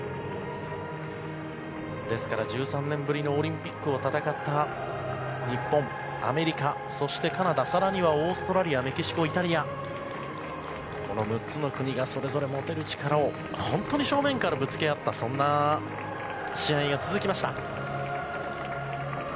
ですから１３年ぶりのオリンピックを戦った日本、アメリカ、そしてカナダ更にはオーストラリアイタリア、メキシコがそれぞれ持てる力を正面からぶつけ合ったそんな試合が続きました。